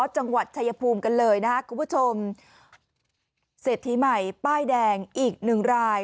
จังหวัดชายภูมิกันเลยนะครับคุณผู้ชมเศรษฐีใหม่ป้ายแดงอีกหนึ่งราย